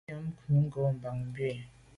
Ngùnyàm kwé ngo’ bàn bu i,